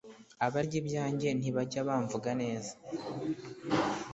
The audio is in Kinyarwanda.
abarya ibyanjye ntibajya bamvuga neza.»